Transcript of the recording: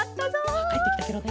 あっかえってきたケロね。